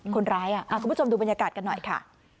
คุณผู้ชมดูบรรยากาศกันหน่อยค่ะ